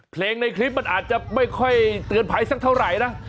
เพลงในคลิปมันอาจจะไม่ค่อยเตือนภัยสักเท่าไหร่นะ